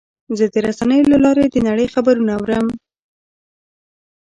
زه د رسنیو له لارې د نړۍ خبرونه اورم.